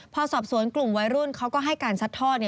พอสอบสวนกลุ่มวัยรุ่นเขาก็ให้การซัดทอด